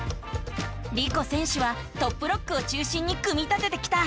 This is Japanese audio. リコ選手はトップロックを中心に組み立ててきた。